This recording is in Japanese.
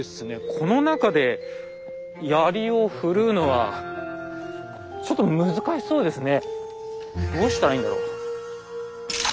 この中で槍を振るうのはちょっと難しそうですね。